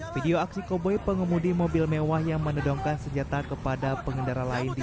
video aksi koboi pengemudi mobil mewah yang menodongkan senjata kepada pengendara lain di